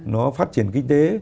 nó phát triển kinh tế